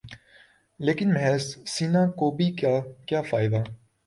لیکن محض سینہ کوبی کا کیا فائدہ؟